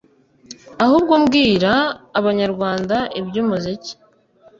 ahubwo mbwira Abanyarwanda iby’umuziki